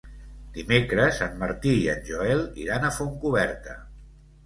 Dimecres en Martí i en Joel iran a Fontcoberta.